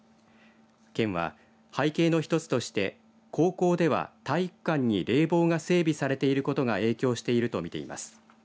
県は背景の一つとして高校では体育館に冷房が整備されていることが影響していると見ています。